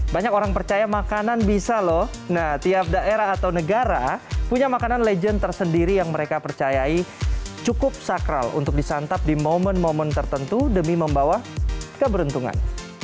banyak orang percaya makanan bisa loh nah tiap daerah atau negara punya makanan legend tersendiri yang mereka percayai cukup sakral untuk disantap di momen momen tertentu demi membawa keberuntungan